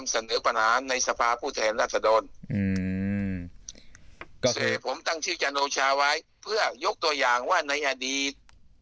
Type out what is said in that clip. เสพผมตั้งชื่อจันโอชาไว้เพื่อยกตัวอย่างว่าในอดีต